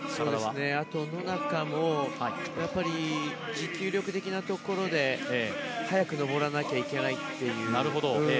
野中も持久力的なところで早く登らなきゃいけないっていう。